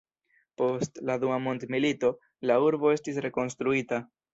Post la dua mondmilito, la urbo estis rekonstruita.